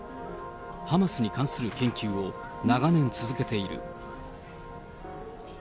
ハマスに関する研究を長年続けている。